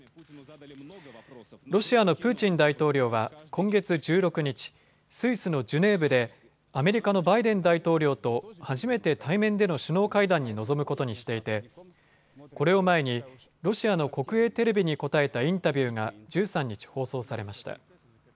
ロシアのプーチン大統領は今月１６日、スイスのジュネーブでアメリカのバイデン大統領と初めて対面での首脳会談に臨むことにしていてこれを前にロシアの国営テレビに答えたインタビューが１３日放送されました。